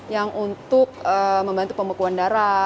yang untuk membantu pembekuan darah